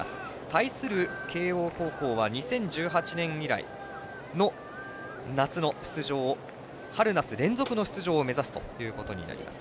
対する慶応高校は２０１８年以来の夏の出場、春夏連続の出場を目指すとなります。